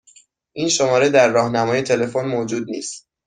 این شماره در راهنمای تلفن موجود نیست.